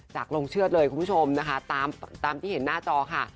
ลงเชื่อดเลยคุณผู้ชมนะคะตามที่เห็นหน้าจอค่ะ